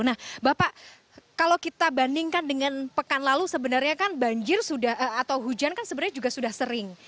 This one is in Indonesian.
nah bapak kalau kita bandingkan dengan pekan lalu sebenarnya kan banjir atau hujan kan sebenarnya juga sudah sering